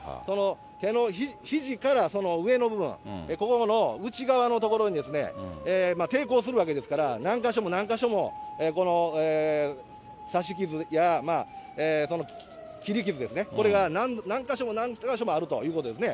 手のひじから上の部分、ここの内側の所に、抵抗するわけですから、何か所も何か所もこの刺し傷や切り傷ですね、これが何か所も何か所もあるということですね。